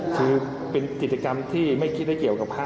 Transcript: คือเป็นกิจกรรมที่ไม่คิดให้เกี่ยวกับพระ